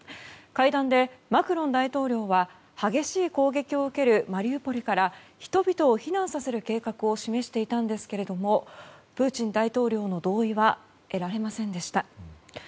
会談でマクロン大統領は激しい攻撃を受けるマリウポリから人々を避難させる計画を示していたんですけれどもプーチン大統領の同意は得られませんでした。